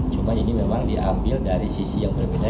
cuma ini memang diambil dari sisi yang berbeda